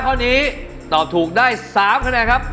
ก็ทุกตัวนั่นแหละครับ